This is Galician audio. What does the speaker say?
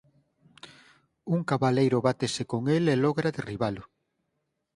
Un cabaleiro bátese con el e logra derribalo.